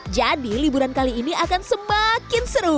jadi liburan kali ini akan semakin seru